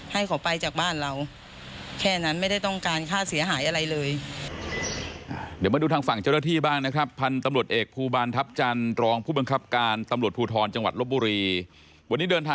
ให้เขาไปจากบ้านเราแค่นั้นไม่ได้ต้องการค่าเสียหายอะไรเลย